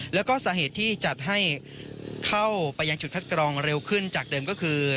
แล้วก็สาเหตุที่จัดให้เข้าไปยังจุดคัดกรองเร็วขึ้นจากเดิมก็คือ